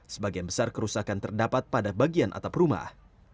sebagian besar kerusakan terdapat pada bagian atap rumah